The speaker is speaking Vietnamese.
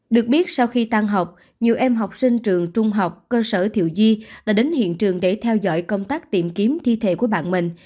được biết sau khi tan học nhiều em học sinh trường trung học cơ sở thiệu di đã đến hiện trường để theo dõi công tác tìm kiếm thi thể của bạn mình